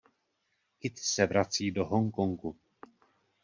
Kitty se vrací do Hongkongu.